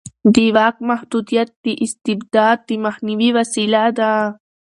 د واک محدودیت د استبداد د مخنیوي وسیله ده